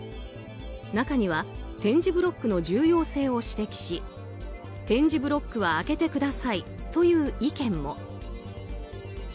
中には点字ブロックの重要性を指摘し点字ブロックは開けてくださいという意見も。